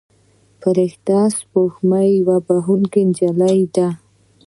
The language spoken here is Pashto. فرشته سپوږمۍ یوه بښونکې نجلۍ ده.